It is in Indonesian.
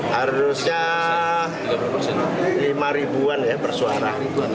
harusnya rp lima per suara